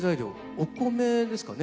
お米ですかね？